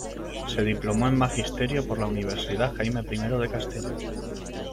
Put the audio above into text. Se diplomó en Magisterio por la Universidad Jaime I de Castellón.